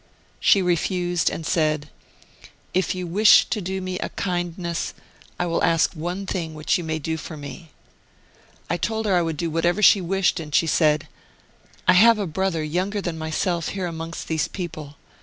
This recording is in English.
She refused, and said :' If you wish to do me a kindness I will Martyred Armenia 45 ask one thing which you may do for me.' I told her I would do whatever she wished, and she said :' I have a brother, younger than myself, here amongst these people.